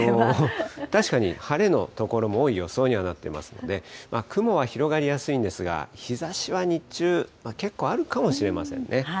確かに、晴れの所も多い予想にはなっていますので、雲は広がりやすいんですが、日ざしは日中、結構あるかもしれませんね。